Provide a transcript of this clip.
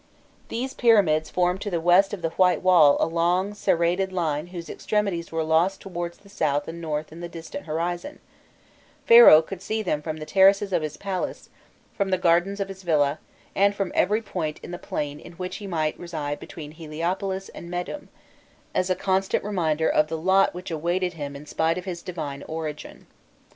These pyramids formed to the west of the White Wall a long serrated line whose extremities were lost towards the south and north in the distant horizon: Pharaoh could see them from the terraces of his palace, from the gardens of his villa, and from every point in the plain in which he might reside between Heliopolis and Mêdûm as a constant reminder of the lot which awaited him in spite of his divine origin.